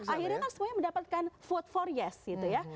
akhirnya kan semuanya mendapatkan vote for yes gitu ya